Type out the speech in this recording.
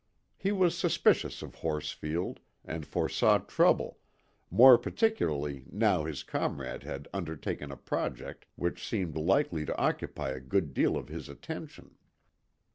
He was suspicious of Horsfield, and foresaw trouble, more particularly now his comrade had undertaken a project which seemed likely to occupy a good deal of his attention.